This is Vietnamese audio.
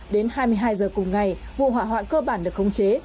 đến hai mươi hai h cùng ngày vụ hỏa hoạn cơ bản được khống chế